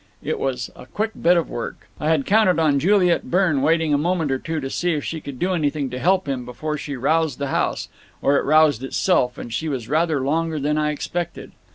It was a quick bit of work. I had counted on Juliet Byrne waiting a moment or two to see if she could do anything to help him before she roused the house, or it roused itself, and she was rather longer than I expected.